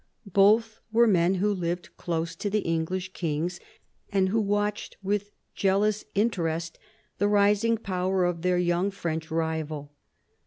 Both were men who lived close to the English kings, and who watched with jealous interest the rising power of their young French rival.